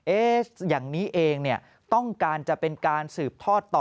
เอ๊ะอย่างนี้เองต้องการจะเป็นการสืบทอดต่อ